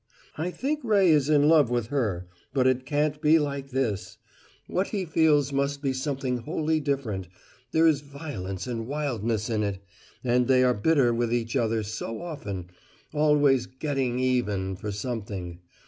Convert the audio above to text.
I think Ray is in love with her, but it can't be like this. What he feels must be something wholly different there is violence and wildness in it. And they are bitter with each other so often always `getting even' for something.